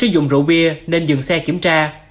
dùng rượu bia nên dừng xe kiểm tra